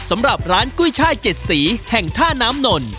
สำหรับร้านกุ้ยช่าย๗สีแห่งท่าน้ำนน